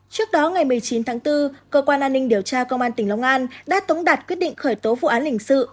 trước đó ngày một mươi chín tháng bốn cơ quan an ninh điều tra công an tỉnh long an đã tống đạt quyết định khởi tố vụ án hình sự